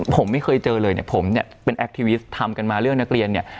ผมไม่เคยเจอเลยเนี่ยผมเนี่ยเป็นแอคทีวิสทำกันมาเรื่องนักเรียนเนี่ย